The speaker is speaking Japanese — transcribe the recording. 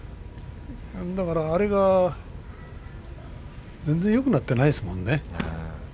だから、あれが全然よくなっていないですもんね。